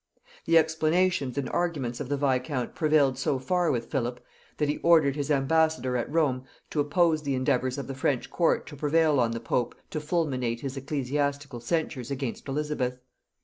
The explanations and arguments of the viscount prevailed so far with Philip, that he ordered his ambassador at Rome to oppose the endeavours of the French court to prevail on the pope to fulminate his ecclesiastical censures against Elizabeth.